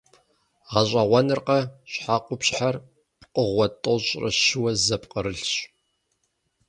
Гъэщӏэгъуэнракъэ, щхьэкъупщхьэр пкъыгъуэ тӏощӏрэ щыуэ зэпкърылъщ.